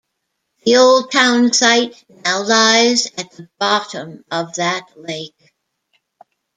The old townsite now lies at the bottom of that lake.